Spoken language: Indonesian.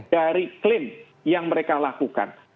dari klaim yang mereka lakukan